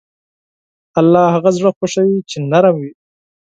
الله هغه زړه خوښوي چې نرم وي.